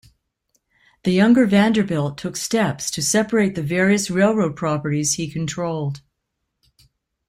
The younger Vanderbilt took steps to separate the various railroad properties he controlled.